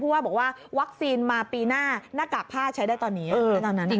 พูดว่าวัคซีนมาปีหน้าหน้ากากผ้าใช้ได้ตอนนี้แล้วตอนนั้น